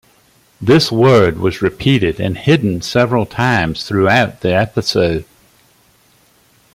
This word was repeated and hidden several times throughout the episode.